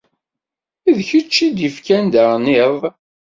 D kečč i d-ifkan daɣen iḍ.